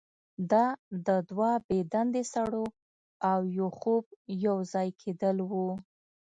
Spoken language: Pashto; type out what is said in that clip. دا د دوه بې دندې سړو او یو خوب یوځای کیدل وو